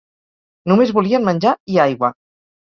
Només volien menjar i aigua.